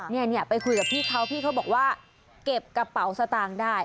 เนี่ยไปคุยกับพี่เขาพี่เขาบอกว่าเก็บกระเป๋าสตางค์ได้